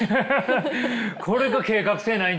これが計画性ないんちゃうん？